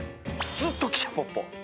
ずっと汽車ポッポ。